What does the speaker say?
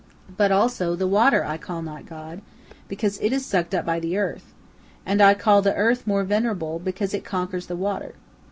But also the water I call not god, because it is sucked up by the earth, and I call the earth more venerable, because it conquers the water.